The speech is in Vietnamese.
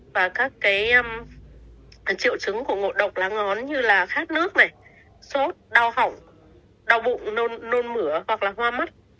và các triệu chứng của ngộ độc lá ngón như là khát nước này sốt đau hỏng đau bụng nôn nôn mửa hoặc là hoa mắt